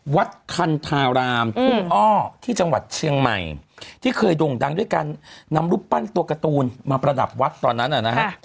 วัดคันธารามทุ่งอ้อที่จังหวัดเชียงใหม่ที่เคยด่งดังด้วยการนำรูปปั้นตัวการ์ตูนมาประดับวัดตอนนั้นนะฮะ